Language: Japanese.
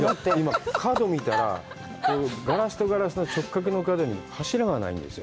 今、見たら、ガラスとガラスの直角の角に、柱がないんですよ。